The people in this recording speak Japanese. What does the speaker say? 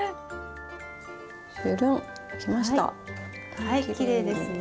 はいきれいですね。